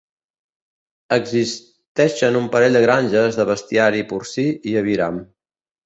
Existeixen un parell de granges de bestiari porcí i aviram.